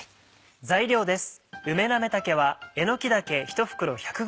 材料です。